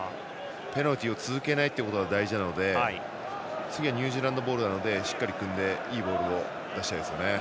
ペナルティーを続けないことが大事なので次はニュージーランドボールなのでしっかり組んでいいボールを出したいですね。